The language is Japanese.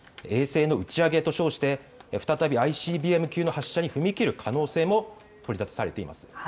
衛星の打ち上げと称して再びＩＣＢＭ級の発射に踏み切る可能性も取り沙汰されています。